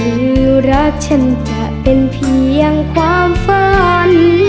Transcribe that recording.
หรือรักฉันจะเป็นเพียงความฝัน